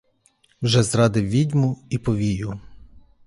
Вже зрадив відьму і повію.